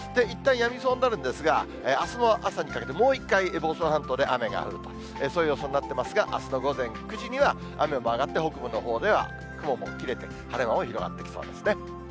いったんやみそうになるんですが、あすの朝にかけて、もう一回、房総半島で雨が降ると、そういう予想になってますが、あすの午前９時には、雨も上がって、北部のほうでは雲も切れて、晴れ間も広がってきそうですね。